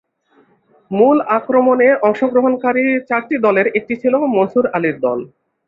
মূল আক্রমণে অংশগ্রহণকারী চারটি দলের একটি ছিল মনসুর আলীর দল।